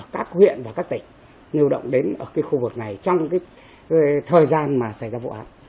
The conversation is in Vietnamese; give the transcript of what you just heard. các huyện và các tỉnh lưu động đến ở cái khu vực này trong cái thời gian mà xảy ra vụ án